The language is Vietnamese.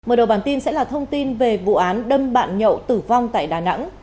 mở đầu bản tin sẽ là thông tin về vụ án đâm bạn nhậu tử vong tại đà nẵng